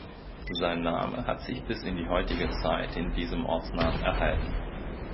Sein Name hat sich bis in die heutige Zeit in diesem Ortsnamen erhalten.